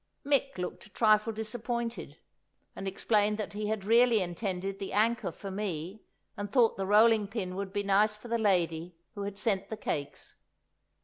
Mick looked a trifle disappointed, and explained that he had really intended the anchor for me; and thought the rolling pin would be nice for the lady who had sent the cakes.